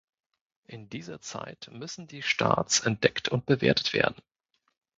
In dieser Zeit müssen die Starts entdeckt und bewertet werden.